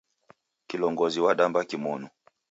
Kilongozi w'adamba kimonu